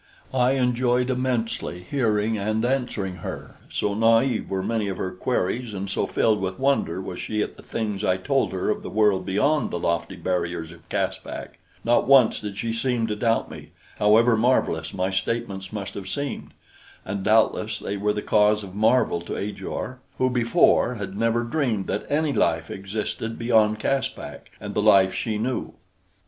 I enjoyed immensely hearing and answering her, so naive were many of her queries and so filled with wonder was she at the things I told her of the world beyond the lofty barriers of Caspak; not once did she seem to doubt me, however marvelous my statements must have seemed; and doubtless they were the cause of marvel to Ajor, who before had never dreamed that any life existed beyond Caspak and the life she knew.